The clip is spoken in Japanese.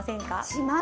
します。